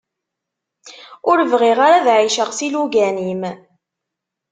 Ur bɣiɣ ara ad εiceɣ s ilugan-im